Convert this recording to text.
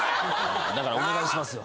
だからお願いしますよ。